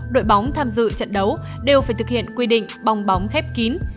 đội bóng tham dự trận đấu đều phải thực hiện quy định bong bóng khép kín